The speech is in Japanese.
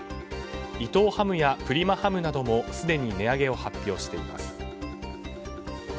伊藤ハムやプリマハムなどもすでに値上げを発表しています。